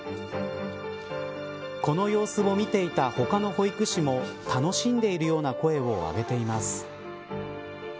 この様子を見てた他の保育士も楽しんでるような声を上げています。